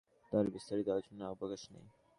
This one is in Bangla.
তার বিস্তারিত আলোচনার অবকাশ নেই।